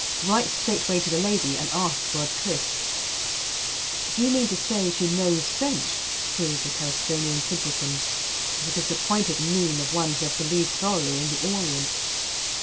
"Write straightway to the lady and ask for a tryst." "Do you mean to say she knows French?" queried the Tarasconian simpleton, with the disappointed mien of one who had believed thoroughly in the Orient.